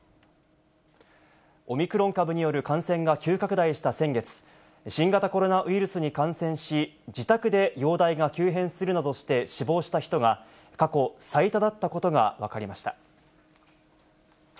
オミクロン株による感染が急拡大した先月、新型コロナウイルスに感染し、自宅で容体が急変するなどして死亡した人が、過去最多だったことが分かりました。